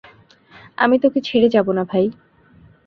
আমি তোকে ছেড়ে যাবো না, ভাই।